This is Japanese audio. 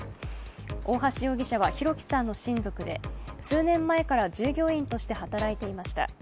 大橋容疑者は弘輝さんの親族で数年前から従業員として働いていました。